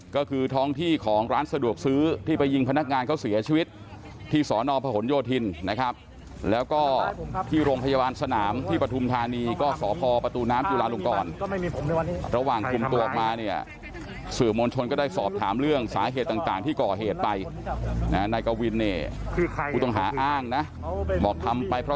ก็คือท้องที่ของร้านสะดวกซื้อที่ไปยิงพนักงานเขาเสียชีวิตที่สอนอพหนโยธินนะครับแล้วก็ที่โรงพยาบาลสนามที่ปฐุมธานีก็สพประตูน้ำจุลาลงกรระหว่างคุมตัวออกมาเนี่ยสื่อมวลชนก็ได้สอบถามเรื่องสาเหตุต่างที่ก่อเหตุไปนายกวินเนี่ยผู้ต้องหาอ้างนะบอกทำไปเพราะ